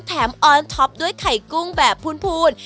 ออนท็อปด้วยไข่กุ้งแบบพูน